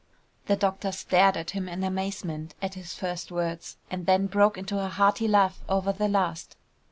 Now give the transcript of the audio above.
The doctor stared at him in amazement at his first words, and then broke into a hearty laugh over the last.